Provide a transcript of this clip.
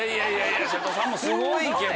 瀬戸さんもすごいけど。